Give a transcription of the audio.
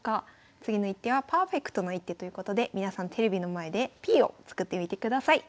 次の一手はパーフェクトな一手ということで皆さんテレビの前でＰを作ってみてください。